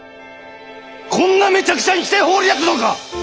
こんなめちゃくちゃにして放り出すのか！